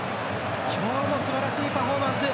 今日もすばらしいパフォーマンス。